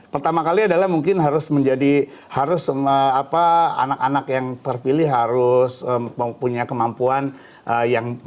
pertama kali adalah mungkin harus anak anak yang terpilih harus punya kemampuan yang terbatas sih